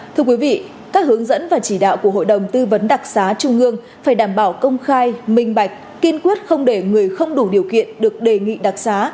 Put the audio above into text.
thưa quý vị các hướng dẫn và chỉ đạo của hội đồng tư vấn đặc xá trung ương phải đảm bảo công khai minh bạch kiên quyết không để người không đủ điều kiện được đề nghị đặc xá